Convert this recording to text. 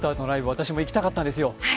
私も行きたかったんですよ。